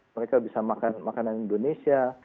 mereka bisa makan makanan indonesia